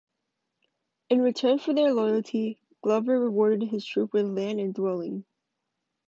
In return for their loyalty, Glover rewarded his troops with land and dwellings.